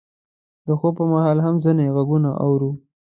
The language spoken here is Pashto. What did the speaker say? د خوب پر مهال هم ځینې غږونه اورو.